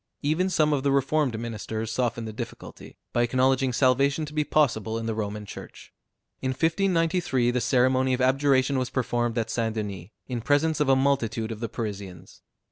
Even some of the reformed ministers softened the difficulty, by acknowledging salvation to be possible in the Roman Church. In 1593 the ceremony of abjuration was performed at St. Denis, in presence of a multitude of the Parisians.